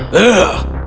aku di sini